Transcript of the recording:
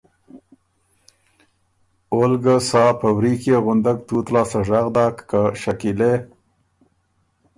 اول ګه سا په وریکيې غُندک تُوت لاسته ژغ داک که شکیلے!